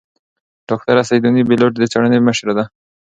ډاکتره سیدوني بېلوت د څېړنې مشره ده.